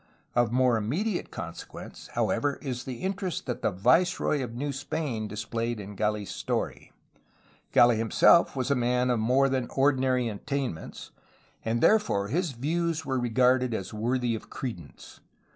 Of more immediate consequence, however, is the interest that the viceroy of New Spain dis played in Gali's story. Gali himself was a man of more than ordinary attainments, and therefore his views were regarded as worthy of credence.